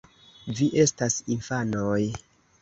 Vi estas infanoj.